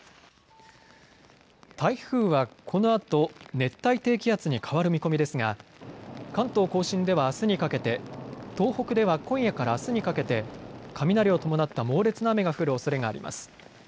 台風はこのあと熱帯低気圧に変わる見込みですが関東甲信ではあすにかけて、東北では今夜からあすにかけて雷を伴った猛烈な雨が降るおそれがあります。